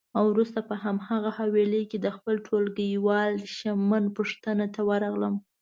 وروسته په هماغه حویلی کې د خپل ټولګیوال شېمن پوښتنه ته ورغلم.